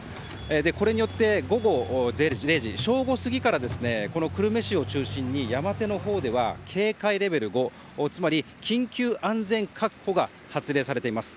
これによって午後０時正午過ぎからこの久留米市を中心に山手のほうでは警戒レベル５つまり緊急安全確保が発令されています。